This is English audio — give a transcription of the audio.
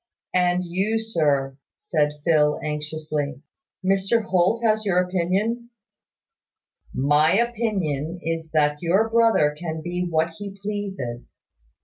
"And you, sir," said Phil, anxiously "Mr Holt asks your opinion." "My opinion is that your brother can be what he pleases.